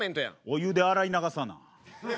お湯で洗い流さな。